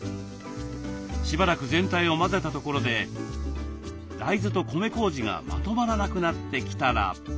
しばらく全体を混ぜたところで大豆と米こうじがまとまらなくなってきたら。